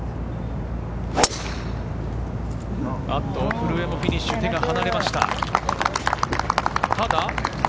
古江もフィニッシュで手が離れました。